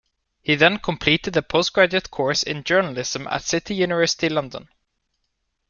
He then completed a postgraduate course in Journalism at City University London.